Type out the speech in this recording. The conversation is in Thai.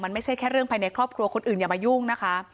มันไม่ใช่แค่เรื่องภายในครอบครัวคนอื่นอย่ามายุ่งนะคะ